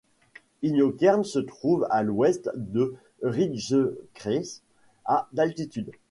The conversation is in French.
Inyokern se trouve à l'ouest de Ridgecrest, à d'altitude.